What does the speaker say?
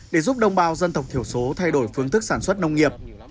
để giúp đồng bào dân tộc thiểu số thay đổi phương thức sản xuất nông nghiệp